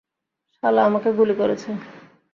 শালা আমাকে গুলি করেছে।